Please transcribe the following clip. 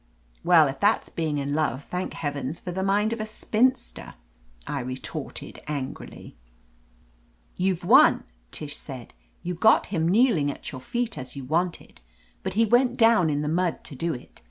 "Well, if that's being in love, thank Heaven 278 OF LETITIA CARBERRY for the mind of a spinster/' I retorted an grily. "You've won," Tish said. "YouVe got him kneeling at your feet, as you wanted. But he went down in the mud to do it.